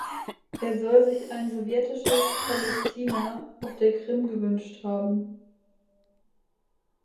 Er soll sich ein sowjetisches Palästina (auf der Krim) gewünscht haben.